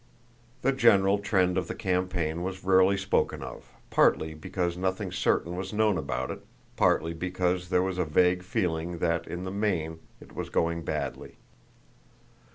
The general trend of the campaign was rarely spoken of, partly because nothing certain was known about it, partly because there was a vague feeling that in the main it was going badly.